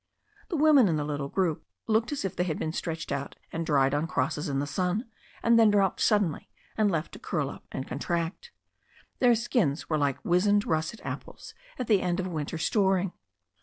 The women in the little group looked as if they had been stretched out and dried on crosses in the sun, and then dropped suddenly and left to curl up and contract. Their skins were like wizened russet apples at the end of a winter storing.